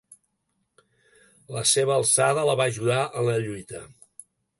La seva alçada la va ajudar en la lluita.